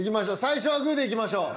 最初はグーでいきましょう。